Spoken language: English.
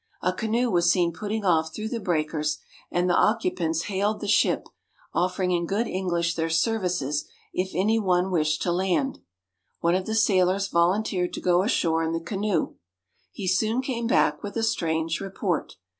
A canoe was seen putting off through the breakers, and the occupants hailed the ship, offering in good English their services if any one wished to land. One of the sailors volunteered to go ashore in the canoe. He soon came back with a strange report.